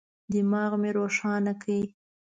دماغ مي روښانه کړه.